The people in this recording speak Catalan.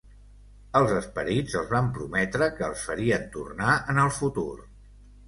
Els esperits els van prometre que els farien tornar en el futur.